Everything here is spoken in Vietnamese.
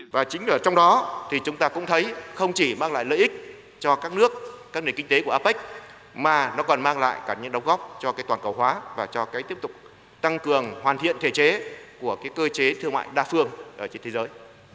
và chính trong đó thì chúng ta cũng thấy không chỉ mang lại lợi ích cho các nước các nền kinh tế của apec mà nó còn mang lại cả những đồng góp cho toàn cầu hóa và cho cái tiếp tục tăng cường hoàn thiện thể chế của cơ chế thương mại đa phương trên thế giới